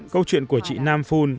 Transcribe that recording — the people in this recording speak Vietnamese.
câu chuyện của chị nam phun